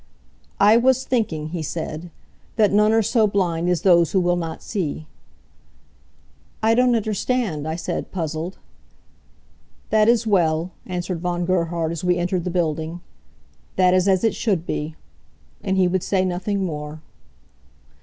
"I was thinking," he said, "that none are so blind as those who will not see." "I don't understand," I said, puzzled. "That is well," answered Von Gerhard, as we entered the building. "That is as it should be." And he would say nothing more.